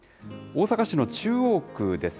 大阪市の中央区です。